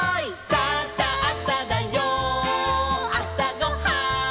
「さあさあさだよあさごはん」